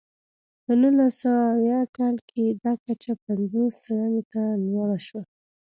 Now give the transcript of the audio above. په نولس سوه اویا کال کې دا کچه پنځوس سلنې ته لوړه شوه.